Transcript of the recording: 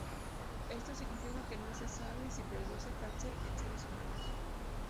Esto significa que no se sabe si produce cáncer en seres humanos.